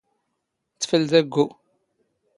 ⵜⴼⵍⴷ ⴰⴳⴳⵓ?